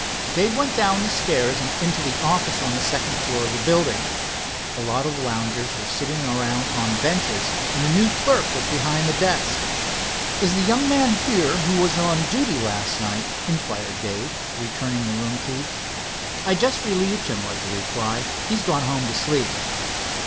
Dave went down stairs and into the office on the second floor of the building. A lot of loungers were sitting around on benches and a new clerk was behind the desk. "Is the young man here who was on duty last night?" inquired Dave, returning the room key. "I just relieved him," was the reply. "He's gone home to sleep."